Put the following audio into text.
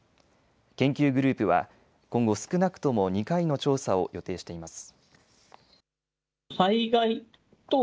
研究グループは今後、少なくとも２回の調査を予定しています。